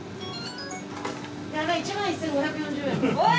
やば、１万１５４０円。